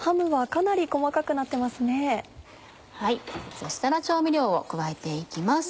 そしたら調味料を加えて行きます。